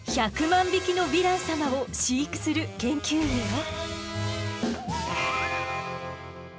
１００万匹のヴィラン様を飼育する研究員よ。